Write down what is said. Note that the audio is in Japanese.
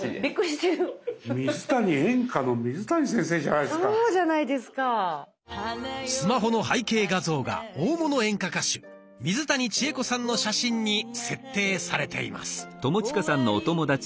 スマホの背景画像が大物演歌歌手水谷千重子さんの写真に設定されています。